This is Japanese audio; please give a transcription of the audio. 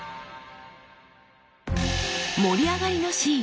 盛り上がりのシーン。